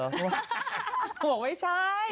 บอกว่าไม่ใช่